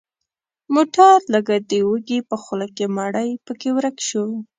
موټر لکه د وږي په خوله کې مړۍ پکې ورک شو.